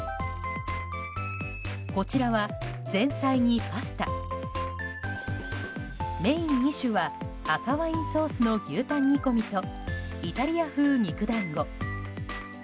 こちらは、前菜にパスタメイン２種は赤ワインソースの牛タン煮込みとイタリア風肉団子。